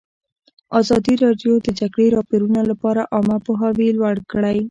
ازادي راډیو د د جګړې راپورونه لپاره عامه پوهاوي لوړ کړی.